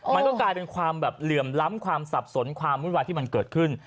มันก็กลายเป็นความแบบเหลื่อมล้ำความสับสนความวุ่นวายที่มันเกิดขึ้น